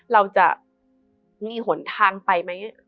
เราจะมีหนทางไปไหม